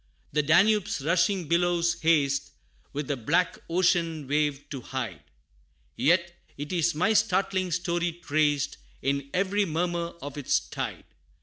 The Danube's rushing billows haste With the black ocean wave to hide Yet is my startling story traced, In every murmur of its tide.